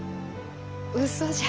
うそじゃ。